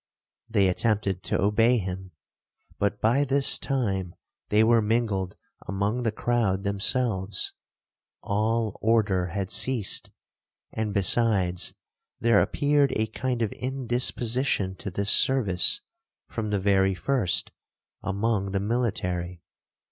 They attempted to obey him; but by this time they were mingled among the crowd themselves. All order had ceased; and besides, there appeared a kind of indisposition to this service, from the very first, among the military.